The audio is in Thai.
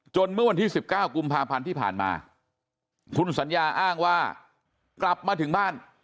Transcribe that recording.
เมื่อวันที่๑๙กุมภาพันธ์ที่ผ่านมาคุณสัญญาอ้างว่ากลับมาถึงบ้าน